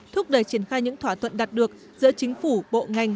thúc đẩy triển khai những thỏa thuận đạt được giữa chính phủ bộ ngành